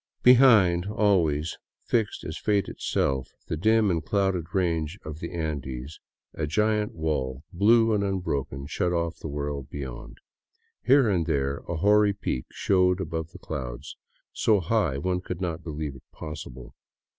Behind, always, fixed as fate itself, the dim and clouded range of the Andes, a giant wall, blue and unbroken, shut off the world beyond. Here and there a hoary peak showed above the clouds, so high one could not believe it possible.